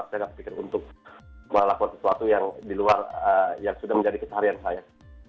saya nggak berpikir untuk melakukan sesuatu yang sudah menjadi keseharian saya